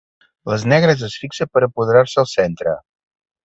Les negres es fixe per apoderar-se el centre.